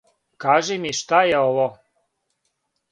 Кажи ми, шта је ово?